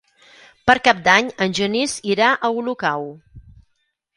Per Cap d'Any en Genís irà a Olocau.